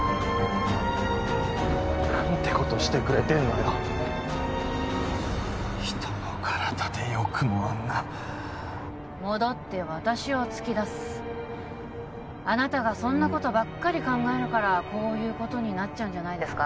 何てことしてくれてんのよ人の体でよくもあんな戻って私を突き出すあなたがそんなことばっかり考えるからこういうことになっちゃうんじゃないですか？